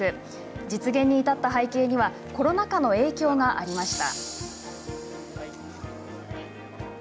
実現に至った背景にはコロナ禍の影響がありました。